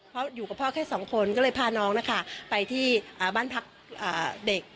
เพราะอยู่กับพ่อแค่สองคนก็เลยพาน้องนะคะไปที่บ้านพักเด็ก